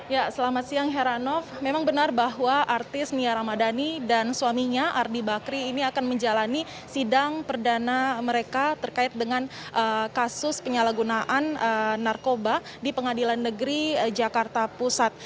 ya selamat siang heranov memang benar bahwa artis mia ramadhani dan suaminya ardi bakri ini akan menjalani sidang perdana mereka terkait dengan kasus penyalahgunaan narkoba di pengadilan negeri jakarta pusat